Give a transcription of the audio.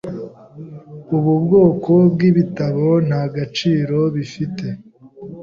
Ubu bwoko bwibitabo nta gaciro bifite.